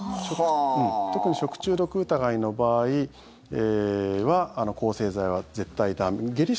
特に食中毒疑いの場合は抗生剤は絶対駄目。